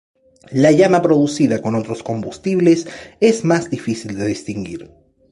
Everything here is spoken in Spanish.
La llama producida con otros combustibles es más difícil de distinguir.